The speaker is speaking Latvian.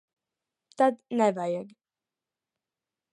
Tad nevajag.